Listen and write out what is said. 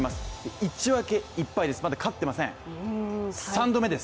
１分け１敗ですまだ勝っていません、３度目です。